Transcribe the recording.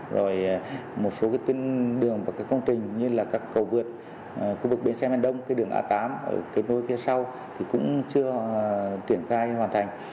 rồi một số cái tuyên đường và cái công trình như là các cầu vượt khu vực bến xe miền đông cái đường a tám ở kết nối phía sau thì cũng chưa triển khai hoàn thành